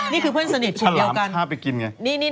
นี่คือเพื่อนสนิทคุณเดียวกัน